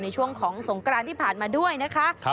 ในช่วงของสงกรานที่ผ่านมาด้วยนะคะ